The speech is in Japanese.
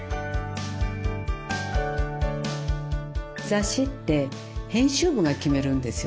雑誌って編集部が決めるんですよね